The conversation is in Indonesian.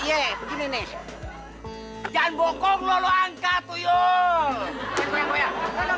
aduh yang sakit ya